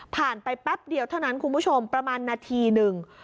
ไปแป๊บเดียวเท่านั้นคุณผู้ชมประมาณนาทีหนึ่ง